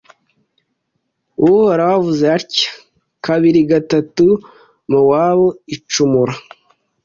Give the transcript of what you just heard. Uhoraho avuze atya:Kabiri gatatu Mowabu icumura!